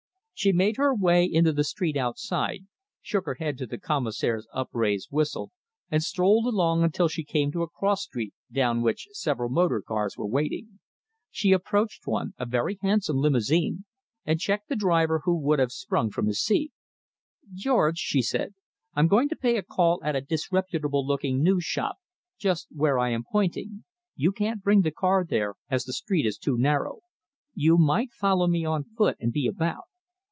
She made her way into the street outside, shook her head to the commissionaire's upraised whistle, and strolled along until she came to a cross street down which several motor cars were waiting. She approached one a very handsome limousine and checked the driver who would have sprung from his seat. "George," she said, "I am going to pay a call at a disreputable looking news shop, just where I am pointing. You can't bring the car there, as the street is too narrow. You might follow me on foot and be about."